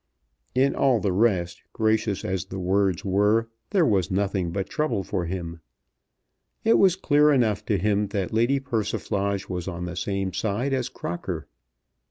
In all the rest, gracious as the words were, there was nothing but trouble for him. It was clear enough to him that Lady Persiflage was on the same side as Crocker.